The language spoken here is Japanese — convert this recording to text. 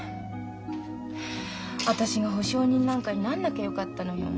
私が保証人なんかになんなきゃよかったのよ。